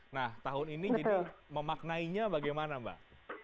nah tahun ini jadi memaknainya bagaimana mbak